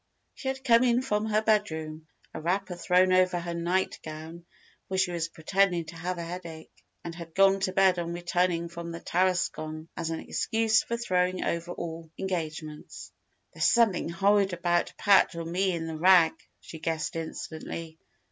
She had come in from her bedroom, a wrapper thrown over her nightgown, for she was pretending to have a headache, and had gone to bed on returning from the Tarascon, as an excuse for throwing over all engagements. "There's something horrid about Pat or me in the rag," she guessed instantly.